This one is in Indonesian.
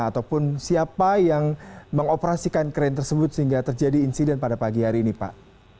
ataupun siapa yang mengoperasikan kren tersebut sehingga terjadi insiden pada pagi hari ini pak